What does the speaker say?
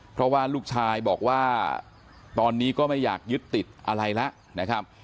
เพราะว่าลูกชายบอกว่าตอนนี้ก็ไม่อยากยึดติดอะไรแล้วนะครับ